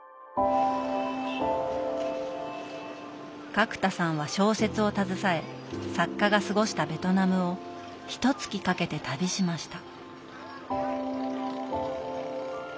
角田さんは小説を携え作家が過ごしたベトナムをひとつきかけて旅しました。